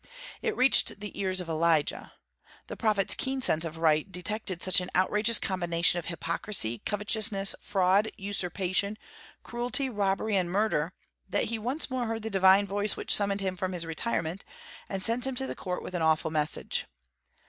It reached the ears of Elijah. The prophet's keen sense of right detected such an outrageous combination of hypocrisy, covetousness, fraud, usurpation, cruelty, robbery, and murder, that he once more heard the Divine voice which summoned him from his retirement and sent him to the court with an awful message.